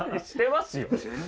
してますよ！